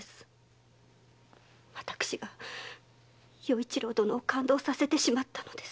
私が与一郎殿を勘当させてしまったのです！